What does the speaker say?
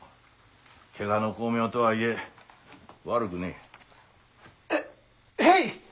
怪我の功名とはいえ悪くねえ。へへい！